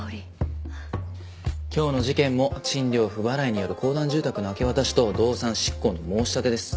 今日の事件も賃料不払いによる公団住宅の明け渡しと動産執行の申し立てです。